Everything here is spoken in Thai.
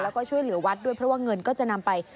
แล้วก็ช่วยเหลือวัดด้วยเพราะว่าเงินก็จะนำไป